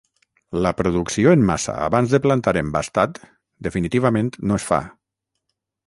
La producció en massa abans de plantar embastat definitivament no es fa.